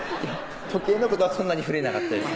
時計のことはそんなに触れなかったです